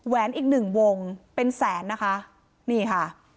แหวนอีกหนึ่งวงเป็นแสนนะคะ